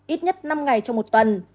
ít nhất năm ngày trong một tuần